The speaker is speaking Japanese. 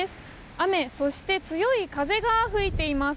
雨そして強い風が吹いています。